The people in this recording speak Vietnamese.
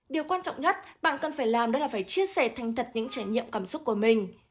điều quan trọng nhất bạn cần phải làm đó là phải chia sẻ thành thật những trải nghiệm cảm xúc của mình